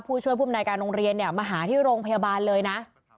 ผู้ช่วยภูมิในการโรงเรียนเนี่ยมาหาที่โรงพยาบาลเลยนะ